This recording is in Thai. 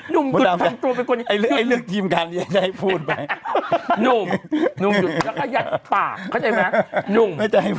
นุ่มหยุดทำตัวเป็นคนดีไอ้เลือกทีมการนี้จะให้พูดไหมนุ่มนุ่มหยุดแล้วก็ยัดปากเข้าใจไหม